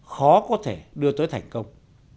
khó có thể đưa tới thành công